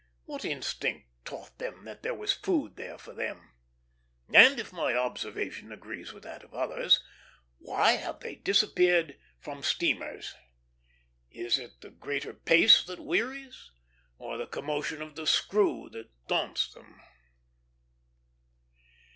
What instinct taught them that there was food there for them? and, if my observation agree with that of others, why have they disappeared from steamers? Is it the greater pace that wearies, or the commotion of the screw that daunts them?